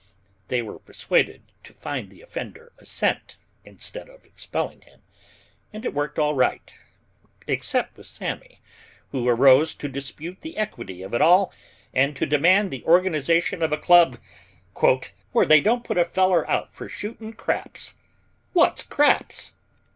They were persuaded to fine the offender a cent instead of expelling him, and it worked all right except with Sammy, who arose to dispute the equity of it all and to demand the organization of a club "where they don't put a feller out fer shootin' craps wot's craps!"